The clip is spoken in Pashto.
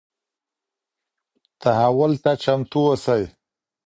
تحول ته چمتو اوسئ.